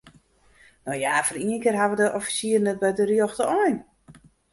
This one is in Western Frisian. No ja, foar ien kear hawwe de offisieren it by de rjochte ein.